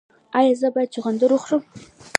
ایا زه باید چغندر وخورم؟